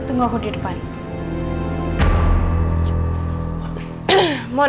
kalau padahal aku pengen tau apa lo ngomong